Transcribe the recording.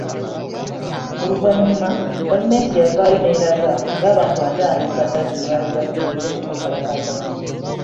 Oluvannyuma gavumenti yavaayo n’eraga ng’abantu ataano mu basatu bwe baali bafiiridde mu kwekalakaasa kuno .